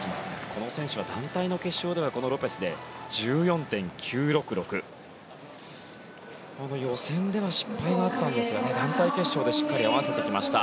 この選手は団体の決勝ではこのロペスで１４．９６６予選では失敗があったんですが団体決勝でしっかり合わせてきました。